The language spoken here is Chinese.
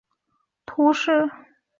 威涅人口变化图示